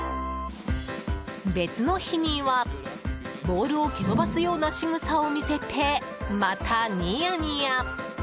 別の日には、ボールを蹴飛ばすようなしぐさを見せてまたニヤニヤ。